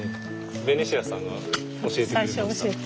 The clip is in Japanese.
ベニシアさんが教えてくれました。